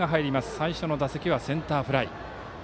最初の打席はセンターフライ。